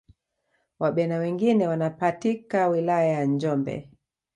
wabena wengine wanapatika wilaya ya njombe